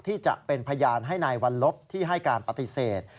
จะเป็นพยานให้นายวัลลบที่ให้การปฏิเสธ